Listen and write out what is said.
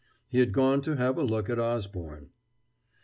He had gone to have a look at Osborne.